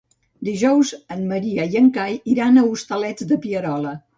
Dijous en Maria i en Cai iran als Hostalets de Pierola.